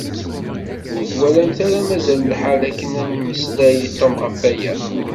Ur twalamt ara mazal lḥal akken ad nemmeslay i Tom ɣef waya?